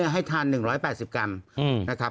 ให้ทาน๑๘๐กรัม